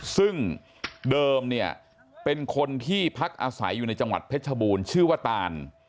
ซึ่งเดิมเนี่ยเป็นคนที่พักอาศัยอยู่ในจังหวัดเพชรบูรณ์ชื่อว่าตาน